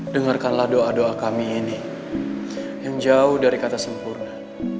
dengarkanlah doa doa kami ini yang jauh dari kata sempurna